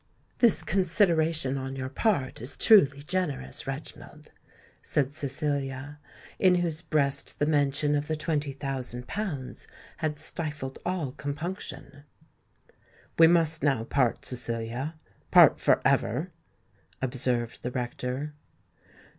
"This consideration on your part is truly generous, Reginald," said Cecilia, in whose breast the mention of the twenty thousand pounds had stifled all compunction. "We must now part, Cecilia—part for ever," observed the rector.